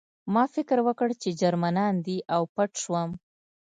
ما فکر وکړ چې جرمنان دي او پټ شوم